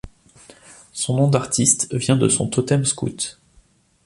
Son nom d'artiste vient de son totem scout.